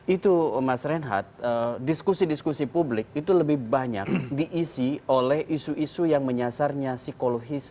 itu mas reinhardt diskusi diskusi publik itu lebih banyak diisi oleh isu isu yang menyasarnya psikologis